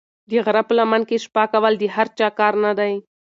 د غره په لمن کې شپه کول د هر چا کار نه دی.